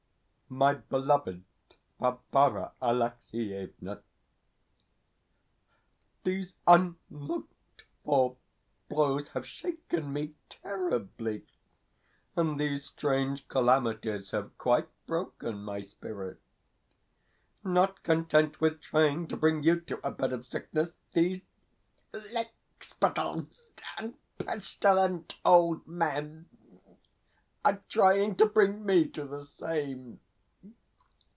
MY BELOVED BARBARA ALEXIEVNA, These unlooked for blows have shaken me terribly, and these strange calamities have quite broken my spirit. Not content with trying to bring you to a bed of sickness, these lickspittles and pestilent old men are trying to bring me to the same.